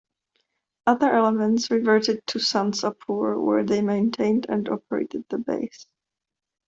Other elements reverted to Sansapor, where they maintained and operated the base.